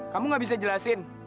kamu gak bisa jelasin